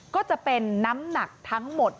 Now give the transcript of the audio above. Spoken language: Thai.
ก็จะเป็นน้ำหนักทั้งหมด